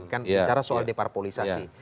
kan bicara soal depar polisasi